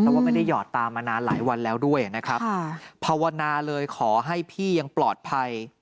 เพราะว่าไม่ได้หอดตามมานานหลายวันแล้วด้วยนะครับภาวนาเลยขอให้พี่ยังปลอดภัย